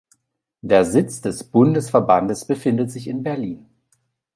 Der Sitz des Bundesverbandes befindet sich in Berlin.